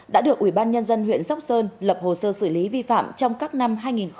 đã được ubnd huyện sóc sơn lập hồ sơ xử lý vi phạm trong các năm hai nghìn một mươi bảy hai nghìn một mươi tám